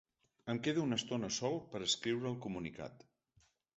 Em quedo una estona sol per escriure el comunicat.